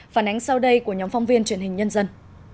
phản ánh sau đây của nhóm phóng viên truyền hình nhân dân